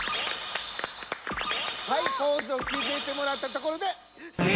はいポーズをきめていってもらったところでえ